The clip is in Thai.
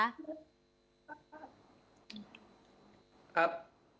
ครับ